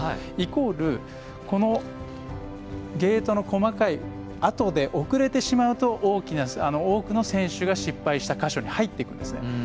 イコール、ゲートの細かい跡で遅れてしまうと多くの選手が失敗した箇所に入っていくんですね。